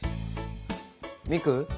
ミク？